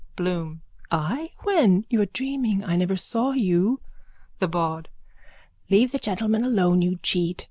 BLOOM: I? When? You're dreaming. I never saw you. THE BAWD: Leave the gentleman alone, you cheat.